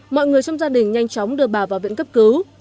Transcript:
mọi người trong gia đình nhanh chóng đưa bà vào viện cấp cứu